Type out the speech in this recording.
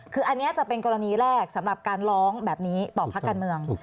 คืออันนี้จะเป็นกรณีแรกสำหรับการร้องแบบนี้ต่อพักการเมือง